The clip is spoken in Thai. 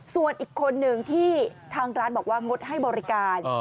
ส่วนอีกคนนึงที่ทางร้านบอกว่างดให้บริการ